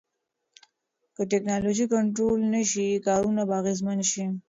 که ټکنالوژي کنټرول نشي، کارونه به اغیزمن شي.